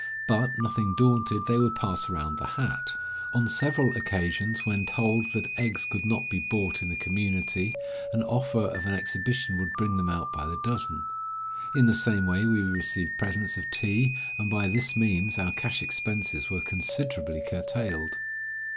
But, nothing daunted, they would pass round the hat. On several occasions, when told that eggs could not be bought in the community, an offer 177 of an exhibition would bring them out by the dozen. In the same way we received presents of tea, and by this means our cash expenses were considerably curtailed.